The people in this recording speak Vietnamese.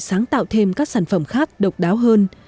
sáng tạo thêm các sản phẩm khác độc đáo hơn